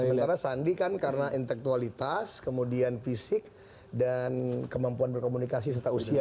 sementara sandi kan karena intelektualitas kemudian fisik dan kemampuan berkomunikasi serta usia